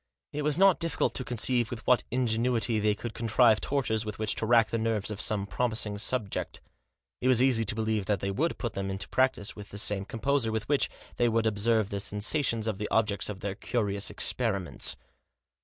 It was not difficult to conceive with what ingenuity they could contrive tortures with which to rack the nerves of some promising subject. It was easy to believe that they would put them into practice with the same composure with which they would observe the sensa tions of the object of their curious experiments.